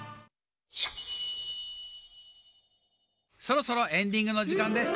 そろそろエンディングのじかんです。